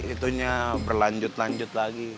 itunya berlanjut lanjut lagi